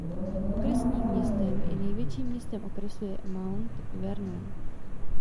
Okresním městem i největším městem okresu je Mount Vernon.